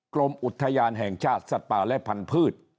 กรมอุทยานแห่งชาติสัตว์ป่าและพันธุ์